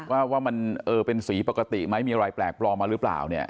ว่ามันเป็นสีปกติไหมมีอะไรแปลกปลอมมาหรือเปล่าเนี่ย